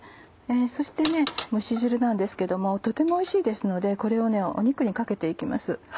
そして蒸し汁なんですけどとてもおいしいですのでこれを肉にかけていきます。